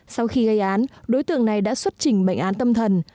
sau khi gây án đối tượng này đã xuất trình bệnh án tâm thần